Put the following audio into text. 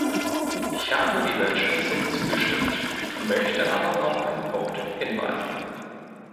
Ich habe dieser Entschließung zugestimmt, möchte aber auf einen Punkt hinweisen.